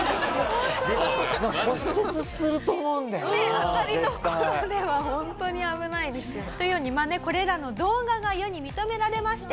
当たり所ではホントに危ないですよ。というようにこれらの動画が世に認められまして